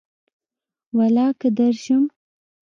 ولاکه درشم